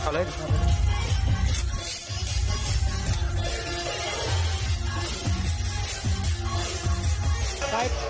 เอาเลย